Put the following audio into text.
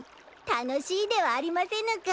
楽しいではありませぬか。